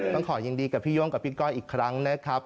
ต้องขอยินดีกับพี่โย่งกับพี่ก้อยอีกครั้งนะครับ